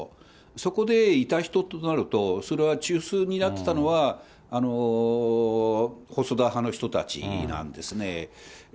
そこでいた人となると、それは中枢になってたのは、細田派の人たちなんですね。